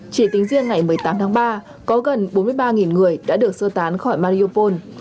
chỉ tính riêng ngày một mươi tám tháng ba có gần bốn mươi ba người đã được sơ tán khỏi maliupol